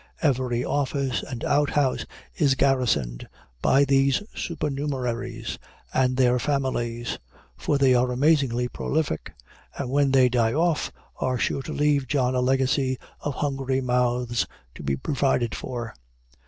Every office and outhouse is garrisoned by these supernumeraries and their families; for they are amazingly prolific, and when they die off, are sure to leave John a legacy of hungry mouths to be provided for.